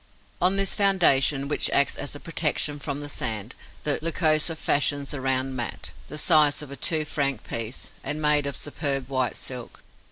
On this foundation, which acts as a protection from the sand, the Lycosa fashions a round mat, the size of a two franc piece and made of superb white silk.